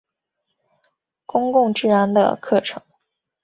公共治安的课程。